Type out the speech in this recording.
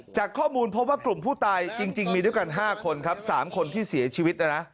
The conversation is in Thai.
จากข้อมูลพบว่ากลุ่มผู้ตายจริงมีด้วยกัน๕คนครับ๓คนที่เสียชีวิตนะนะ